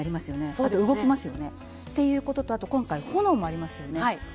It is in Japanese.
あと、動きますよね。ということと今回、炎もありますよね。